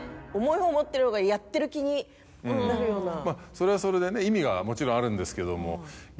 それはそれでね意味がもちろんあるんですけども。